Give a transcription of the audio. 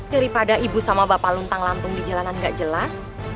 daripada ibu sama bapak luntang lantung di jalanan nggak jelas